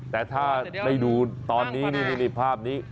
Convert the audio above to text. แต่ถ้าดูภาพนี้